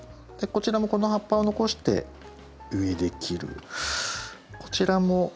こちらもこの葉っぱを残して上で切る。